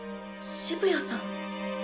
澁谷さん。